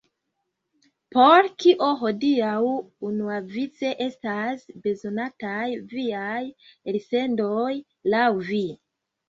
Por kio hodiaŭ unuavice estas bezonataj viaj elsendoj, laŭ vi?